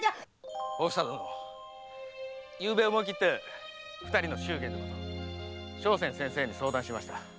おふさ殿昨夜思い切って二人の祝言のこと笙船先生に相談しました。